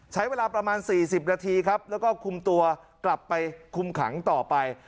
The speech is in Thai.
ใช้เวลาประมาณ๔๐นาทีครับแล้วก็คุมตัวกลับไปคุมขังต่อไป